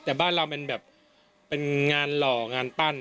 แต่บ้านเราเป็นแบบเป็นงานหล่องานปั้น